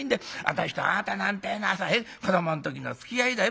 私とあなたなんてえのはさ子どもの時のつきあいだよ。